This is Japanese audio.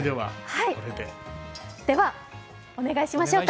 ではお願いしましょうか。